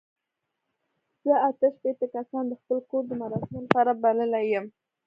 زه اته شپېته کسان د خپل کور د مراسمو لپاره بللي یم.